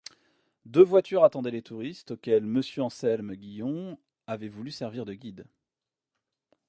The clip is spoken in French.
Deux voitures attendaient les touristes, auxquels Monsieur Anselme Guillon avait voulu servir de guide.